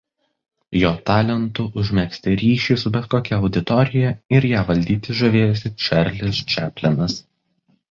Jo talentu užmegzti ryšį su bet kokia auditorija ir ją valdyti žavėjosi Čarlis Čaplinas.